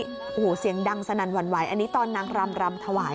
สีชาตินั้นดังสนันหว่านวายพี่น้ำหน้างรำรำถวาย